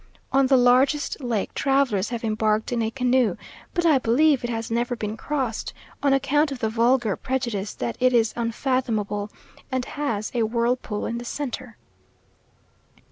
On the largest lake travellers have embarked in a canoe, but I believe it has never been crossed, on account of the vulgar prejudice that it is unfathomable, and has a whirlpool in the centre.